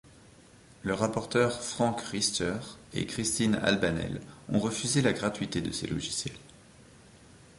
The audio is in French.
Le rapporteur Franck Riester et Christine Albanel ont refusé la gratuité de ces logiciels.